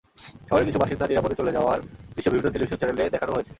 শহরের কিছু বাসিন্দার নিরাপদে চলে যাওয়ার দৃশ্য বিভিন্ন টেলিভিশন চ্যানেলে দেখানোও হয়েছে।